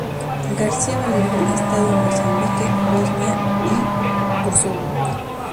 García-Valerio ha estado en Mozambique, Bosnia y Kosovo.